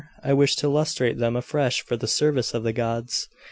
I wish to lustrate them afresh for the service of the gods.